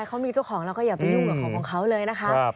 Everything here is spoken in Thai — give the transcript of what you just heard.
เขามีเจ้าของเราก็อย่าไปยุ่งกับของของเขาเลยนะคะ